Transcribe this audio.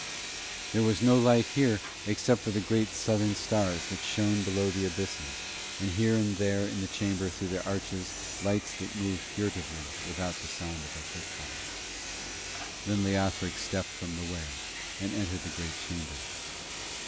There was no light here except for the great Southern stars that shone below the abysses, and here and there in the chamber through the arches lights that moved furtively without the sound of footfall. Then Leothric stepped from the way, and entered the great chamber.